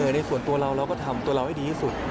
ในส่วนตัวเราเราก็ทำตัวเราให้ดีที่สุด